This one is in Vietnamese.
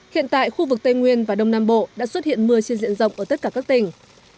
hiện tại khu vực tây nguyên và đông nam bộ đã xuất hiện mưa trên diện rộng ở tất cả các tỉnh